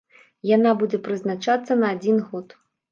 Яна будзе прызначацца на адзін год.